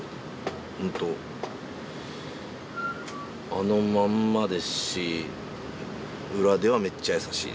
本当、あのまんまですし、めっちゃ優しい？